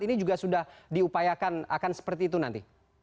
ini juga sudah diupayakan akan seperti itu nanti